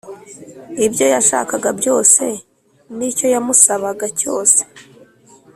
ibyo yashakaga byose n’icyo yamusabaga cyose